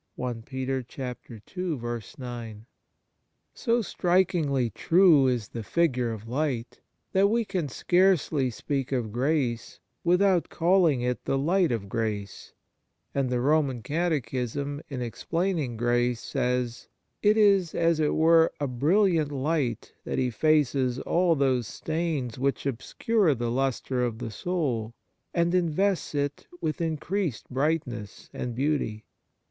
2 So strikingly true is the figure of light, that we can scarcely speak of grace without calling it the light of grace ; and the Roman Catechism, in explaining grace, says: " It is, as it were, a brilliant light that effaces all those stains which obscure the lustre of the soul, and invests it with increased brightness and beauty."